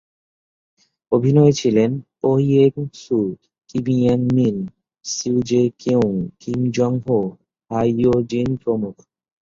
অভিনয়ে ছিলেন, Oh ইয়েং-সু, Kim ইয়েং-মিন, Seo Jaekyung, Kim Jongho, Ha Yeojin প্রমুখ।